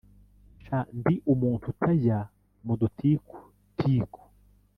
“Sha ndi umuntu utajya mu dutiku tiku